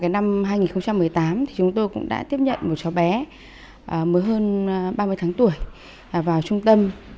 năm hai nghìn một mươi tám chúng tôi cũng đã tiếp nhận một cháu bé mới hơn ba mươi tháng tuổi vào trung tâm